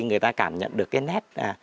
người ta cảm nhận được cái nét